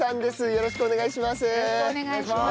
よろしくお願いします。